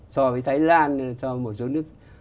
so với thái lan so với một số nước